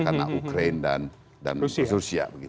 karena ukraine dan rusia